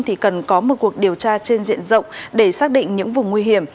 thì cần có một cuộc điều tra trên diện rộng để xác định những vùng nguy hiểm